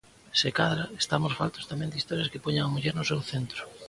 Se cadra, estamos faltos tamén de historias que poñan a muller no seu centro?